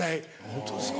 本当ですか。